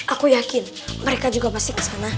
aku yakin mereka juga masih kesana